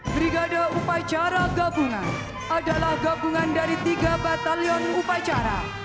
brigade upacara gabungan adalah gabungan dari tiga batalion upacara